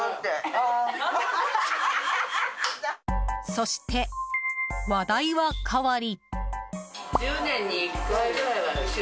そして、話題は変わり。